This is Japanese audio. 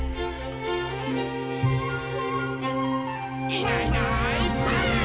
「いないいないばあっ！」